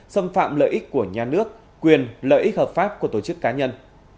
xâm phạm lợi ích của nhà nước quyền lợi ích hợp pháp của tổ chức cá nhân